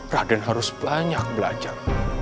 raden harus banyak belajar